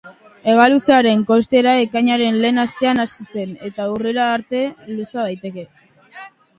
Hegaluzearen kostera ekainaren lehen astean hasi zen eta urrira arte luza daiteke.